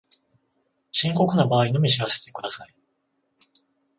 深刻な場合のみ知らせてください